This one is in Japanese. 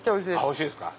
おいしいですか？